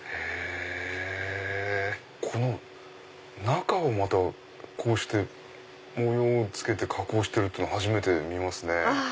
中をまたこうして模様をつけて加工してるって初めて見ますね。